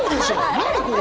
何これ。